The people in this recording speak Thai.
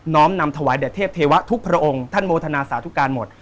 ้อมนำถวายแด่เทพเทวะทุกพระองค์ท่านโมทนาสาธุการหมด